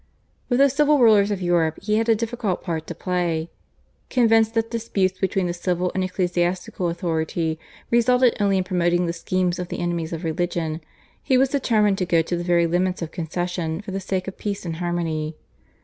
With the civil rulers of Europe he had a difficult part to play. Convinced that disputes between the civil and ecclesiastical authority resulted only in promoting the schemes of the enemies of religion, he was determined to go to the very limits of concession for the sake of peace and harmony.